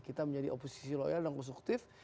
kita menjadi oposisi loyal dan konstruktif